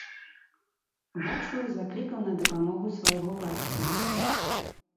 Вацлаў заклікаў на дапамогу свайго бацьку.